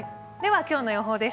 今日の予報です。